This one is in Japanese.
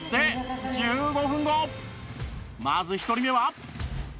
まず１人目は